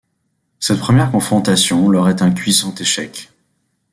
Cette première confrontation leur est un cuisant échec.